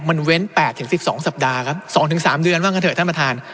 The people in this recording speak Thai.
มันเว้นแปดถึงสิบสองสัปดาห์ครับสองถึงสามเดือนว่างกันเถอะท่านประธาน